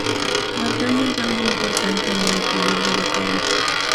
Marcando un cambio importante en el equilibrio de poder.